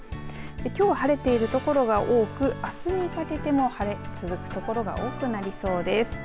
きょう晴れているところが多くあすにかけても晴れ続くところが多くなりそうです。